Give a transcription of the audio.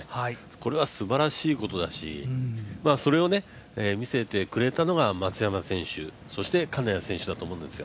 これはすばらしいことだし、それを見せてくれたのが松山選手、そして金谷選手だと思うんです